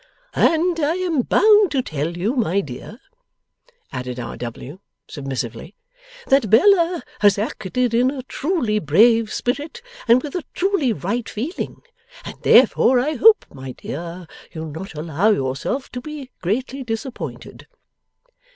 'And I am bound to tell you, my dear,' added R. W., submissively, 'that Bella has acted in a truly brave spirit, and with a truly right feeling. And therefore I hope, my dear, you'll not allow yourself to be greatly disappointed.